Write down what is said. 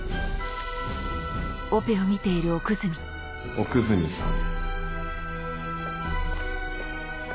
奥泉さん。